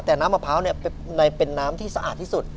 แต่น้ำมะพร้าวเป็นน้ำที่สะอาดที่สุด